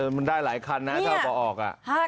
มันได้หลายคันนะถ้าเอาออก